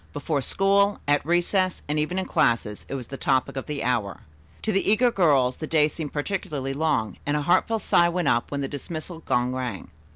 Before school, at recess, and even in classes it was the topic of the hour. To the eager girls the day seemed particularly long, and a heartfelt sigh went up when the dismissal gong rang.